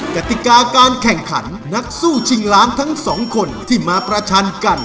กติกาการแข่งขันนักสู้ชิงล้านทั้งสองคนที่มาประชันกัน